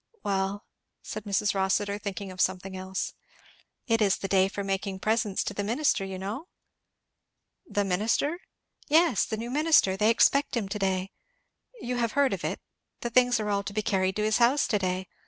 "Well?" said Mrs Rossitur, thinking of something else. "It is the day for making presents to the minister, you know?" "The minister?" "Yes, the new minister they expect him to day; you have heard of it; the things are all to be carried to his house to day.